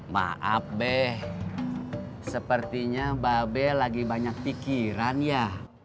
maaf be sepertinya mba be lagi banyak pikiran ya